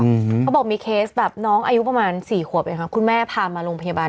เขาบอกว่ามีเคสแบบน้องอายุประมาณ๔ขวบคุณแม่พามาโรงพยาบาล